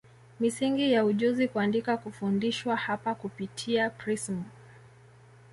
Misingi ya ujuzi kuandika kufundishwa hapa kupitia prism